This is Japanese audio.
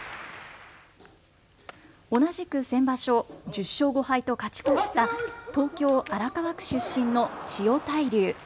同じく先場所、１０勝５敗と勝ち越した東京荒川区出身の千代大龍。